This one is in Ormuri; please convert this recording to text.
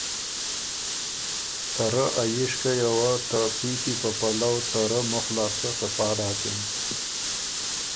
ته ره ا ییشکئ یه وه ته پیچی په پلؤ ته رۀ مُخ لاسته صفا داکِن